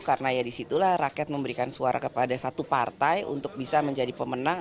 karena ya disitulah rakyat memberikan suara kepada satu partai untuk bisa menjadi pemenang